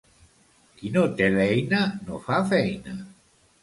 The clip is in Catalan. Qui no té l'eina, no fa feina.